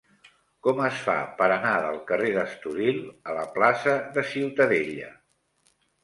Com es fa per anar del carrer d'Estoril a la plaça de Ciutadella?